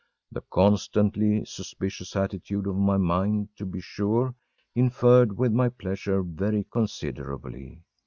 The constantly suspicious attitude of my mind, to be sure, interfered with my pleasure very considerably.